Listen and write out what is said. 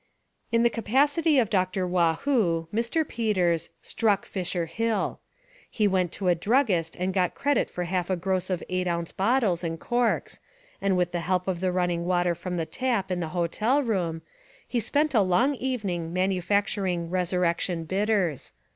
..." In the capacity of Dr. Waugh hoo, Mr. Peters "struck Fisher Hill." He went to a druggist and got credit for half a gross of eight ounce bottles and corks, and with the help of the running 252 The Amazing Genius of O. Henry water from the tap in the hotel room, he spent a long evening manufacturing Resurrection Bit ters.